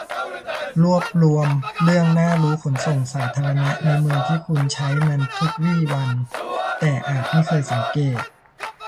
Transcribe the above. รวบรวมเรื่องน่ารู้ขนส่งสาธารณะในเมืองที่คุณใช้มันทุกวี่วัน แต่อาจไม่เคยสังเกต